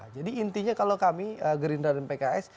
jadi intinya kalau kami gerindra dan pks